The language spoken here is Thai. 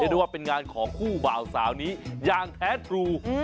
ได้ว่าเป็นงานของคู่บ่าวสาวนี้อย่างแท้ทรู